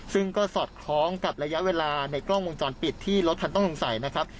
ซึ่งก็สอดคล้องกับระยะเวลาในกล้องวงจรปิดที่รถคันต้องสงสัยนะครับ